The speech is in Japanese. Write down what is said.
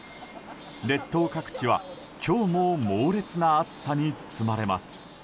列島各地は今日も猛烈な暑さに包まれます。